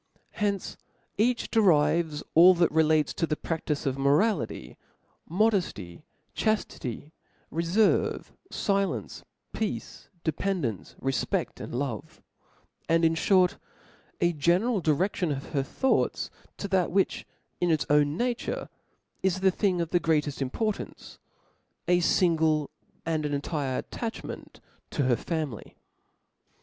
From hence each derives all that relates to the pradtice of morality, modefty, chaftity, referve^ filence, peace, dependence, re fped, and love \ and, in (hort, a general direction pf her thoughts to that which in its own nature is a thing of the greateft importance, a fingle and entire atuchment to her family.